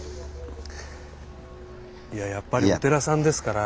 いややっぱりお寺さんですから。